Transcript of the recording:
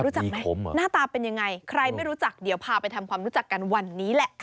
รู้จักไหมหน้าตาเป็นยังไงใครไม่รู้จักเดี๋ยวพาไปทำความรู้จักกันวันนี้แหละ